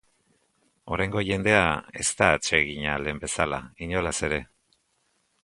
Oraingo jendea ez da atsegina lehen bezala, inolaz ere.